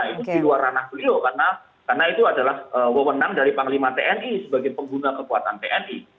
itu di luar ranah beliau karena itu adalah wewenang dari panglima tni sebagai pengguna kekuatan tni